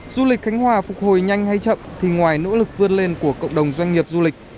du lịch khánh hòa phục hồi nhanh hay chậm thì ngoài nỗ lực vươn lên của cộng đồng doanh nghiệp du lịch